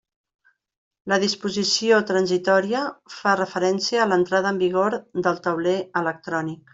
La disposició transitòria fa referència a l'entrada en vigor del tauler electrònic.